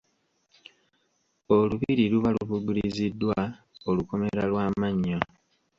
Olubiri luba lubugiriziddwa olukomera lw'amannyo.